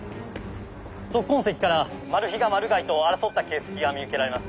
足痕跡からマルヒがマルガイと争った形跡が見受けられます